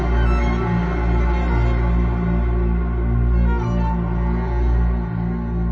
โปรดติดตามตอนต่อไป